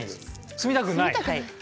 住みたくない。